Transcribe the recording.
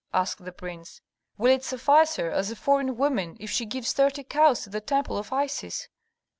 asked the prince. "Will it suffice her, as a foreign woman, if she gives thirty cows to the temple of Isis?"